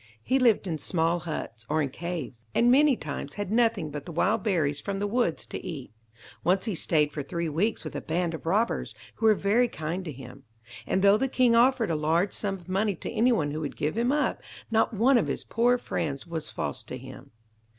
He lived in small huts, or in caves, and many times had nothing but the wild berries from the woods to eat. Once he stayed for three weeks with a band of robbers, who were very kind to him; and though the king offered a large sum of money to anyone who would give him up, not one of his poor friends was false to him.